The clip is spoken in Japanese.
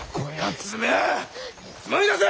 つまみ出せ！